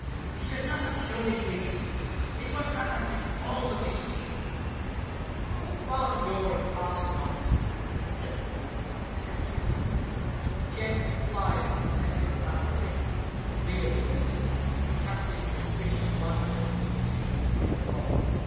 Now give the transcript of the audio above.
He should not have shown it me it was that as did all the mischief." "Unbar the door, and parley not," said Luke contemptuously. Jem complied with pretended alacrity, but real reluctance, casting suspicious glances at Luke as he withdrew the bolts.